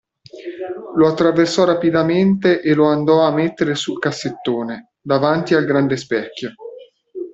Lo attraversò rapidamente e lo andò a mettere sul cassettone, davanti al grande specchio.